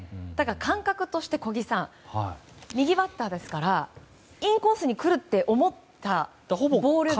感覚として小木さん右バッターですからインコースに来るって思ったボールが。